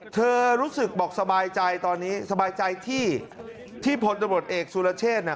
เธอรู้สึกบอกสบายใจตอนนี้สบายใจที่พลตำรวจเอกสุรเชษ